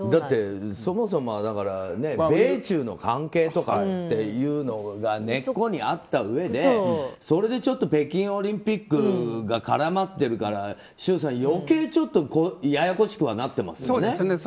そもそも米中の関係とかっていうのが根っこにあったうえで、それでちょっと北京オリンピックが絡まってるから周さん、余計にややこしくはなってますよね。